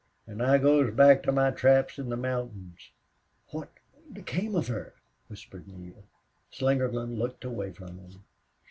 An' I goes back to my traps in the mountains." "What became of her?" whispered Neale. Slingerland looked away from him.